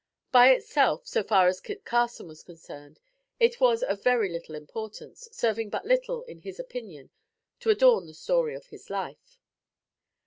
By itself, so far as Kit Carson was concerned, it was of very little importance, serving but little, in his opinion, to adorn the story of his life.